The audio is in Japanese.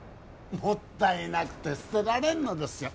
もったいなくて捨てられんのですよ